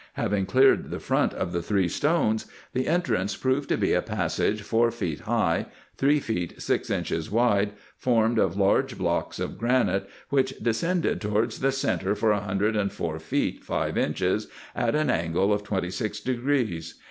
Having cleared the front of the three stones, the entrance proved to be a passage four feet high, three feet six inches wide, formed of large blocks of granite, which descended towards the centre for a hundred and four feet five inches at an angle of twenty six degrees.